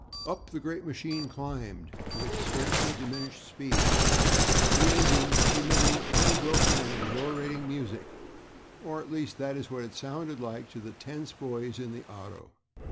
Up the great machine climbed, with scarcely diminished speed, the engine emitting unbroken and exhilarating music, or at least that is what it sounded like to the tense boys in the auto.